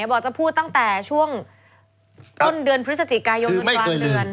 บอกจะพูดตั้งแต่ช่วงต้นเดือนพฤศจิกายนกลางเดือน